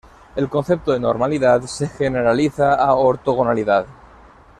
El concepto de normalidad se generaliza a ortogonalidad.